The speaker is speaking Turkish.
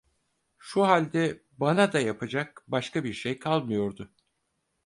Şu halde bana da yapacak başka bir şey kalmıyordu.